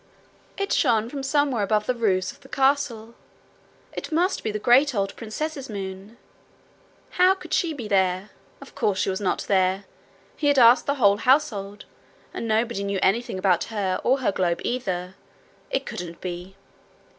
It shone from somewhere above the roofs of the castle: it must be the great old princess's moon! How could she be there? Of course she was not there! He had asked the whole household, and nobody knew anything about her or her globe either. It couldn't be!